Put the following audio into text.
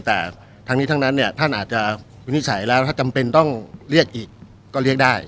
แต่ทั้งนี้ทั้งนั้นเนี่ยท่านอาจจะวินิจฉัยแล้วถ้าจำเป็นต้องเรียกอีกก็เรียกได้